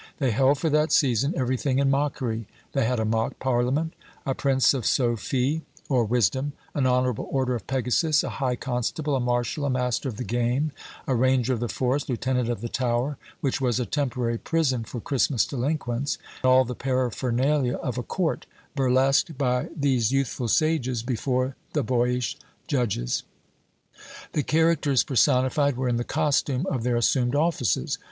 They held for that season everything in mockery: they had a mock parliament, a Prince of Sophie, or Wisdom, an honourable order of Pegasus, a high constable, a marshal, a master of the game, a ranger of the forest, lieutenant of the Tower, which was a temporary prison for Christmas delinquents, all the paraphernalia of a court, burlesqued by these youthful sages before the boyish judges. The characters personified were in the costume of their assumed offices.